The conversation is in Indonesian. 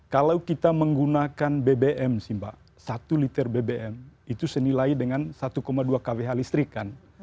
kalau kita menggunakan bbm sih mbak satu liter bbm itu senilai dengan satu dua kwh listrik kan